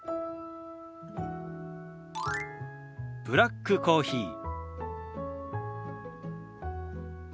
「ブラックコーヒー」。